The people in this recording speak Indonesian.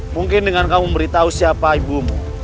mungkin dengan kamu memberitahu siapa ibumu